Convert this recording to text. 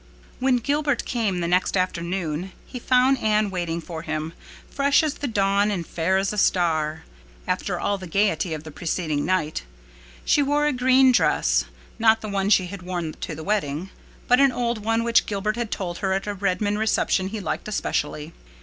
When Gilbert came the next afternoon he found Anne waiting for him, fresh as the dawn and fair as a star, after all the gaiety of the preceding night. She wore a green dress—not the one she had worn to the wedding, but an old one which Gilbert had told her at a Redmond reception he liked especially.